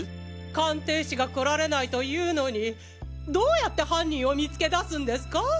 鑑定士が来られないというのにどうやって犯人を見つけ出すんですか？